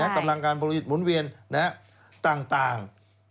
พลังงานผลิตหมุนเวียนต่าง